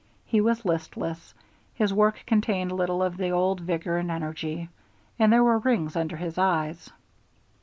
He was listless, his work contained little of the old vigor and energy, and there were rings under his eyes.